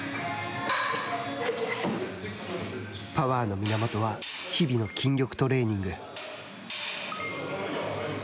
パワーの源は日々の筋力トレーニング。